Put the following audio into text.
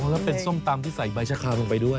แล้วเป็นส้มตำที่ใส่ใบชะคาวลงไปด้วย